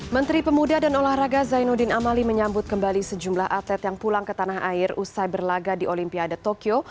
menteri pemuda dan olahraga zainuddin amali menyambut kembali sejumlah atlet yang pulang ke tanah air usai berlaga di olimpiade tokyo